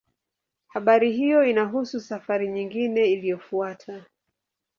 Habari hiyo inahusu safari nyingine iliyofuata.